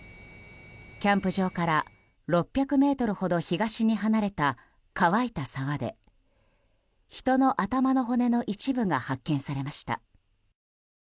キャンプ場から６００ｍほど東に離れた乾いた沢で人の頭の骨の一部が発見されました。